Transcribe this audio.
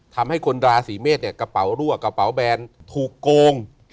ทำให้คนราศีเมษเนี่ยกระเป๋ารั่วกระเป๋าแบนถูกโกง